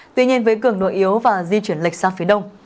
tuy nhiên với cường độ yếu và di chuyển lệch sang phía đông